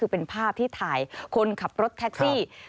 คือเป็นภาพที่ถ่ายคนขับรถแท็กซี่